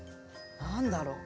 何だろう？